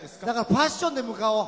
パッションで向かおう。